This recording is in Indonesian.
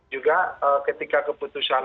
juga ketika keputusan